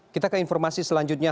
kita ke informasi selanjutnya